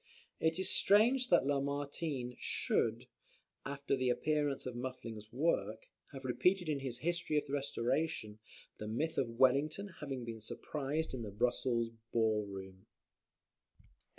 It is strange that Lamartine should, after the appearance of Muffling's work, have repeated in his "History of the Restoration" the myth of Wellington having been surprised in the Brussels ball room, &c.